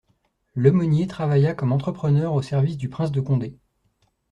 Lemonnier travailla comme entrepreneur au service du prince de Condé.